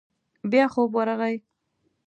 بيا خوب ورغی.